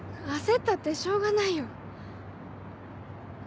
焦ったってしょうがないよ。